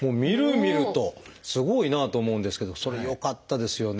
すごいなと思うんですけどそれよかったですよね。